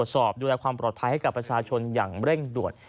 สอบดูแลความปลอดภัยให้กับประชาชนอย่างเร่งด่วน